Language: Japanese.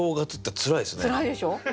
つらいでしょ？